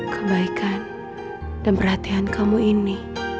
kebaikan dan perhatian kamu ini